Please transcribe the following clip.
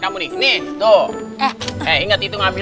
kamu nih nih tuh eh inget itu ngambil